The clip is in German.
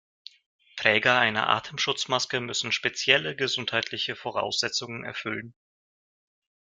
Träger einer Atemschutzmaske müssen spezielle gesundheitliche Voraussetzungen erfüllen.